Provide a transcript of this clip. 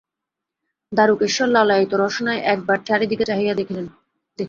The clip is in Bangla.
দারুকেশ্বর লালায়িত রসনায় এক বার চারি দিকে চাহিয়া দেখিল।